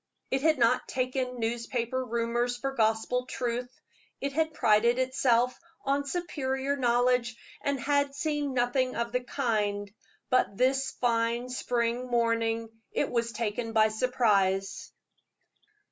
It had not taken newspaper rumors for gospel truth. It had prided itself on superior knowledge, and had seen nothing of the kind; but this fine spring morning it was taken by surprise.